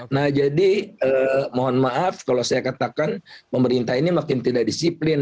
nah jadi mohon maaf kalau saya katakan pemerintah ini makin tidak disiplin